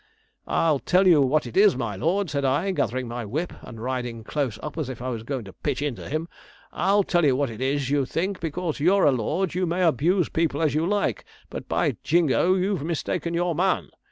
'"I'll tell you what it is, my lord," said I, gathering my whip and riding close up as if I was goin' to pitch into him, "I'll tell you what it is; you think, because you're a lord, you may abuse people as you like, but by Jingo you've mistaken your man.